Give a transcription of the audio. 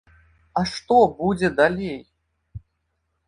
А што будзе далей?